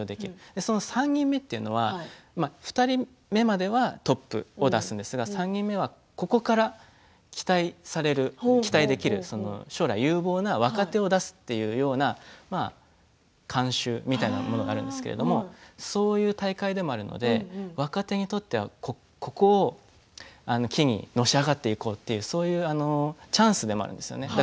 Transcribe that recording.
その３人目というのは２人目まではトップを出すんですが３人目は、ここから期待される期待できる、将来有望な若手を出すというような慣習みたいなものがあるんですけれどもそういう大会なので若手にとっては、ここを機にのし上がっていこうというそういうチャンスでもあるんですよね。